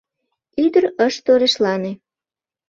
Ӱдыр ыш торешлане.